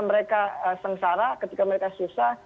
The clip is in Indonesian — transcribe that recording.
mereka sengsara ketika mereka susah